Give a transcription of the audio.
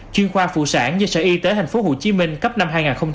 chuyên khoa phụ sản do sở y tế tp hcm cấp năm hai nghìn hai mươi